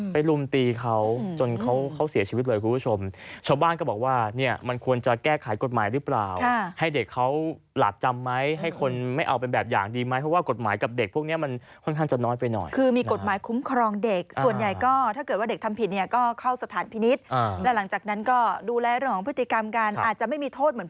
ไปรุมตีเขาจนเขาเสียชีวิตเลยคุณผู้ชม